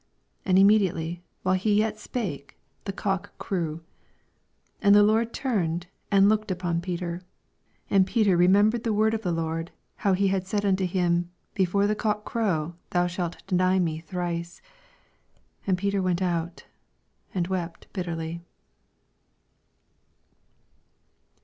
And immedi^ ately, while he yet spake, the cock crew, 61 And the Lord turned, and look ed upon Peter. And Peter remem bered the word of the Lord, how he had said unto him. Before the cook crow, thou shalt deny me thrice. 62 And Peter went out, and wept bitterly.